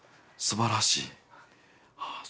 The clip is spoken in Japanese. すばらしいああ